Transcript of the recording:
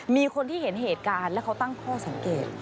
มีคนที่เห็นเหตุการณ์แล้วเขาตั้งข้อสังเกต